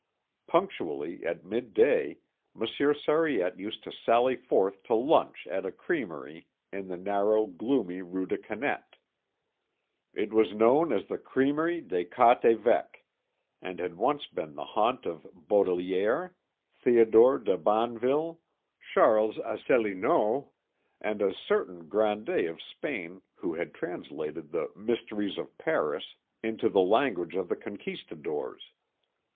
Punctually at midday Monsieur Sariette used to sally forth to lunch at a crèmerie in the narrow gloomy Rue des Canettes. It was known as the Crèmerie des Quatre Évêques, and had once been the haunt of Baudelaire, Theodore de Banville, Charles Asselineau, and a certain grandee of Spain who had translated the "Mysteries of Paris" into the language of the conquistadores.